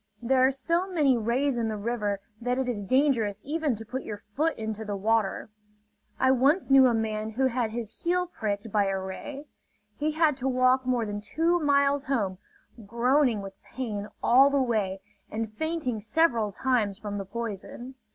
There are so many rays in the river that it is dangerous even to put your foot into the water. I once knew a man who had his heel pricked by a ray. He had to walk more than two miles home, groaning with pain all the way and fainting several times from the poison.